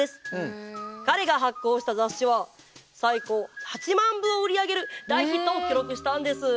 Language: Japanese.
彼が発行した雑誌は最高８万部を売り上げる大ヒットを記録したんです。